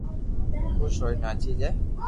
خوس ھوئين ناچي جي